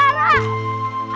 aku mau mencari ayah